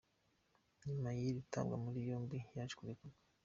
Nyuma y’iri tabwa muri yombi, yaje kurekurwa.